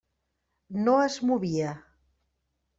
No es movia.